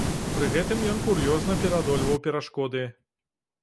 Пры гэтым ён кур'ёзна пераадольваў перашкоды.